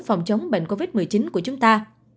phòng chống bệnh covid một mươi chín của chúng ta